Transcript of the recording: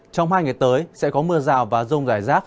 trong hai ngày tới sẽ có mưa rào và rông rải rác